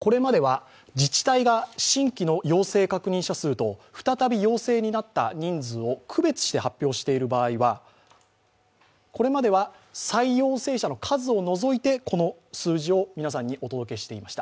これまでは自治体が新規の陽性確認者数と再び陽性になった人数を区別して発表している場合は、これまでは再陽性者の数を除いてこの数字を皆さんにお届けしていました。